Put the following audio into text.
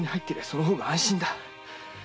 その方が安心だ。